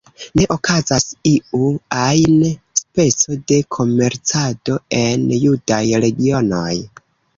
Ne okazas iu ajn speco de komercado en judaj regionoj.